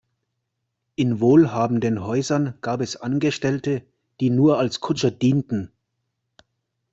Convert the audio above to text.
In wohlhabenden Häusern gab es Angestellte, die nur als Kutscher dienten.